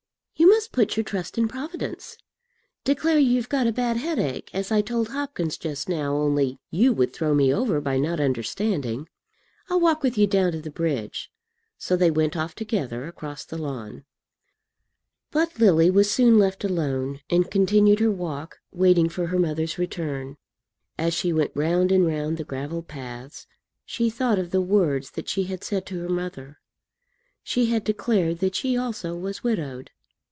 "You must put your trust in Providence. Declare you've got a bad headache, as I told Hopkins just now; only you would throw me over by not understanding. I'll walk with you down to the bridge." So they went off together across the lawn. But Lily was soon left alone, and continued her walk, waiting for her mother's return. As she went round and round the gravel paths, she thought of the words that she had said to her mother. She had declared that she also was widowed.